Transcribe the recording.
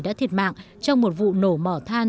đã thiệt mạng trong một vụ nổ mỏ than